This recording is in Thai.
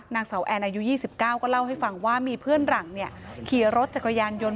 นางสาวแอนอายุ๒๙ก็เล่าให้ฟังว่ามีเพื่อนหลังขี่รถจักรยานยนต์